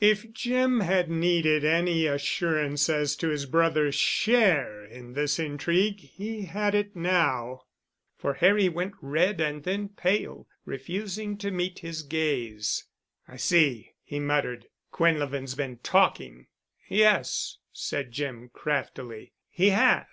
If Jim had needed any assurance as to his brother's share in this intrigue he had it now. For Harry went red and then pale, refusing to meet his gaze. "I see," he muttered, "Quinlevin's been talking." "Yes," said Jim craftily, "he has.